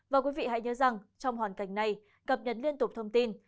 và quý vị hãy nhớ rằng trong hoàn cảnh này cập nhật liên tục thông tin